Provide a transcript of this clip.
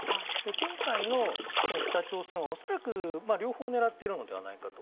今回の北朝鮮は恐らく両方狙っているのではないかと。